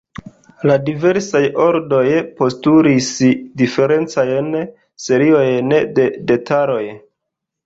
La diversaj ordoj postulis diferencajn seriojn de detaloj.